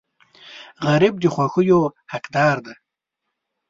غریب د خوښیو حقدار دی